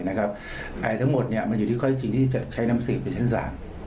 อันนี้ทั้งหมดมันอยู่ที่ค่อยจริงที่จะใช้น้ำสีเป็นทั้งสาร